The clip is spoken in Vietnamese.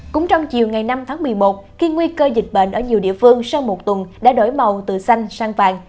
cũng trong chiều ngày năm tháng một mươi một khi nguy cơ dịch bệnh ở nhiều địa phương sau một tuần đã đổi màu từ xanh sang vàng